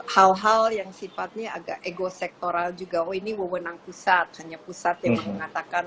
hal hal yang sifatnya agak ego sektoral juga oh ini wewenang pusat hanya pusat yang mengatakan